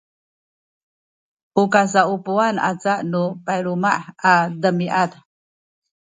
u kasaupuwan aca nu payluma’ a demiad